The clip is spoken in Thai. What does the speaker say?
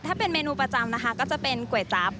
ถ้าเป็นเมนูประจำนะคะก็จะเป็นก๋วยจั๊บ